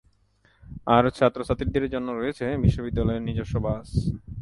আর ছাত্র-ছাত্রীদের জন্য রয়েছে বিশ্ববিদ্যালয়ের নিজস্ব বাস।